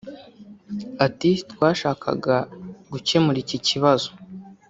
Ati “Twashakaga gukemura iki kibazo